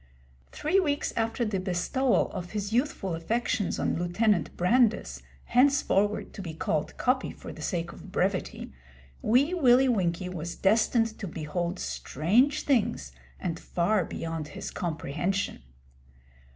Three weeks after the bestowal of his youthful affections on Lieutenant Brandis henceforward to be called 'Coppy' for the sake of brevity Wee Willie Winkie was destined to behold strange things and far beyond his comprehension.